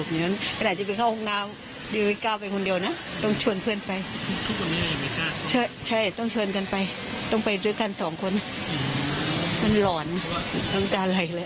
เพราะว่ามันก็ระหลอบตื่นนะจ๊ะ